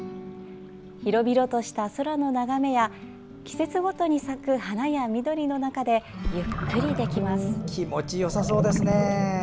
広々とした空の眺めや季節ごとに咲く花や緑の中でゆっくりできます。